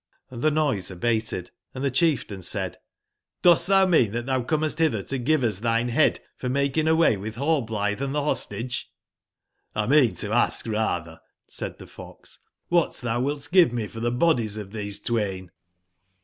"and tbe noise abated, & tbe cbief tain said : "Dost tbou mean tbat tbou comest bitber to give us tbine bead for making away witb Rallblitbc & tbe Hostage ?"j!^"l mean to ask ratber,''said tbe f ox,'' wbat tbou wilt give me for tbe bodies of tbese twain